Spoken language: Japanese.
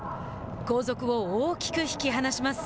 後続を大きく引き離します。